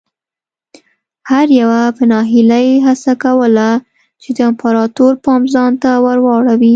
هر یوه په ناهیلۍ هڅه کوله چې د امپراتور پام ځان ته ور واړوي.